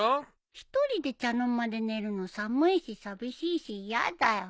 一人で茶の間で寝るの寒いし寂しいし嫌だよ。